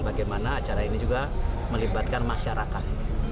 bagaimana acara ini juga melibatkan masyarakat